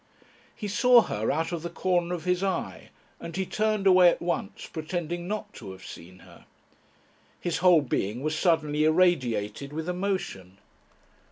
He saw her out of the corner of his eye, and he turned away at once, pretending not to have seen her. His whole being was suddenly irradiated with emotion.